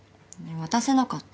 渡せなかった。